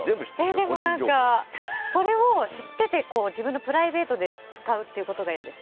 でも、それを知ってて自分のプライベートで使うっていうことが嫌です。